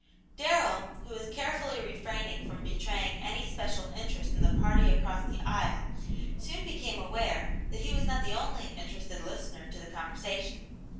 Darrell, who was carefully refraining from betraying any special interest in the party across the aisle, soon became aware that he was not the only interested listener to the conversation.